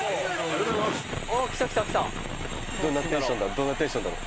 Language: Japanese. どんなテンションだろ？